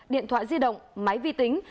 điện thoại di động máy vi tính